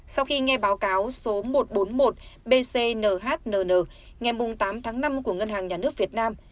sau khi nghe báo cáo số một trăm bốn mươi một bnhnn ngày tám tháng năm của ngân hàng nhà nước việt nam